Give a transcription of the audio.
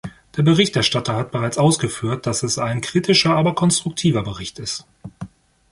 Der Berichterstatter hat bereits ausgeführt, dass es ein kritischer, aber konstruktiver Bericht ist.